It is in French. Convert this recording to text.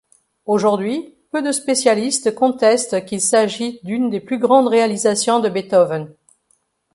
Aujourd'hui peu de spécialistes contestent qu'il s'agit d'une des plus grandes réalisations de Beethoven.